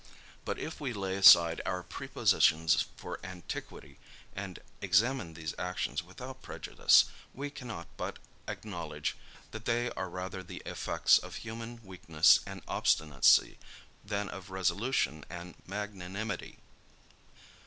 But if we lay aside our prepossessions for antiquity, and examine these actions without prejudice, we cannot but acknowledge, that they are rather the effects of human weakness and obstinacy than of resolution and magnanimity.